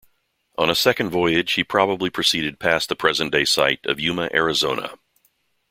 On a second voyage, he probably proceeded past the present-day site of Yuma, Arizona.